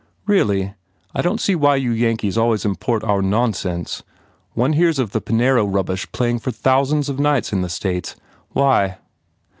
"Really, I don t see why you Yankees always import our nonsense. One hears of the Pinero rubbish playing for thousands of nights in the States. Why?"